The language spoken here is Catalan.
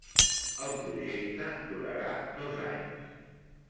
El projecte durarà dos anys.